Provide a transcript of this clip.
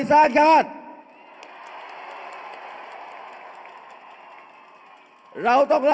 เอาข้างหลังลงซ้าย